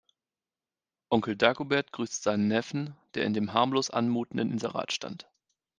Onkel Dagobert grüßt seinen Neffen, der in dem harmlos anmutenden Inserat stand.